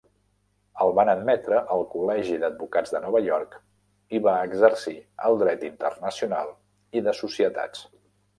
El van admetre al Col·legi d'advocats de Nova York i va exercir el Dret internacional i de societats.